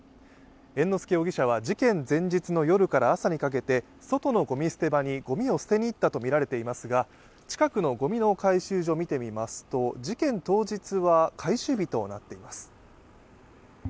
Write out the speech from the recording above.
猿之助容疑者は事件前日の夜から朝にかけて外のごみ捨て場にごみを捨てにいったとみられていますが、近くのゴミの回収所、見てみますと事件当日は回収日となっています。